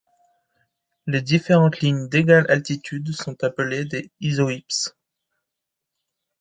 Les différentes lignes d'égales altitude sont appelées des isohypses.